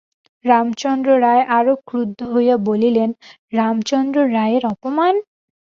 রামচন্দ্র রায় আরো ক্রুদ্ধ হইয়া বলিলেন, রামচন্দ্র রায়ের অপমান!